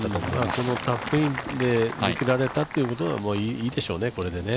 このカップインで下れたということがいいでしょうね、これで。